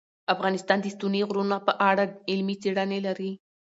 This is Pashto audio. افغانستان د ستوني غرونه په اړه علمي څېړنې لري.